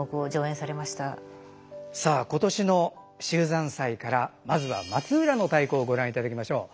さあ今年の秀山祭からまずは「松浦の太鼓」をご覧いただきましょう。